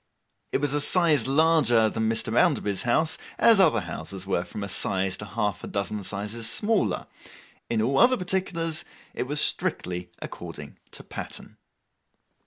It was a size larger than Mr. Bounderby's house, as other houses were from a size to half a dozen sizes smaller; in all other particulars, it was strictly according to pattern.